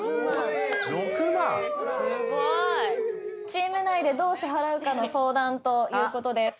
チーム内でどう支払うかの相談ということです。